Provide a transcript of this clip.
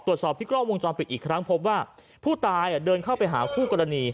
ตรวจสอบที่กล้องวงจรปิดอีกครั้งพบว่าผู้ตายเดินเข้าไปหาคู่กรณี